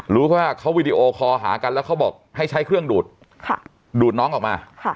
รู้แค่ว่าเขาวีดีโอคอลหากันแล้วเขาบอกให้ใช้เครื่องดูดดูดน้องออกมา